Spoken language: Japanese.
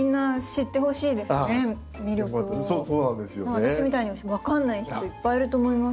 私みたいに分かんない人いっぱいいると思います。